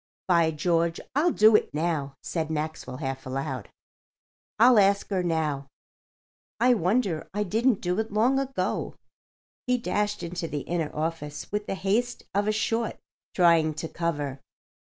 "By George, I'll do it now," said Maxwell, half aloud. "I'll ask her now. I wonder I didn't do it long ago." He dashed into the inner office with the haste of a short trying to cover.